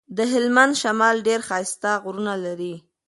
د هلمند شمال ډير ښايسته غرونه لري.